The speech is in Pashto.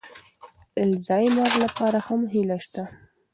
الزایمر لپاره هم هیله شته.